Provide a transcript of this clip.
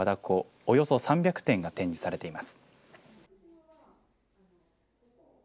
およそ３００点が展示されています。